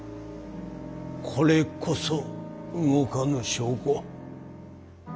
これこそ動かぬ証拠。